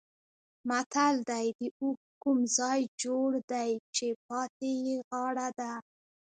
متل دی: د اوښ کوم ځای جوړ دی چې پاتې یې غاړه ده.